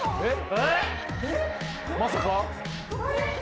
えっ？